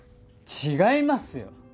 違いますよ。